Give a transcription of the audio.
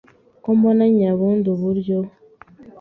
Ko mbona nyabundi buryo